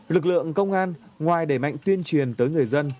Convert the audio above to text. lực lượng công an ngoài đẩy mạnh tuyên truyền tới người dân